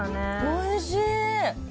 おいしい。